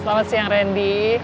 selamat siang randy